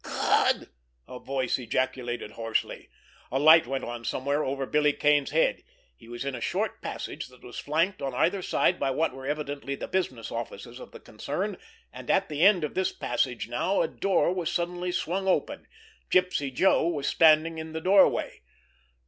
"Gawd!" a voice ejaculated hoarsely. A light went on somewhere over Billy Kane's head. He was in a short passage that was flanked on either side by what were evidently the business offices of the concern, and at the end of this passage now a door was suddenly swung open. Gypsy Joe was standing in the doorway.